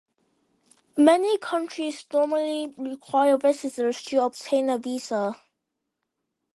Many countries normally require visitors to obtain a visa.